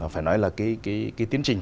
phải nói là cái tiến trình